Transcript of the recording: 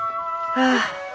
ああ。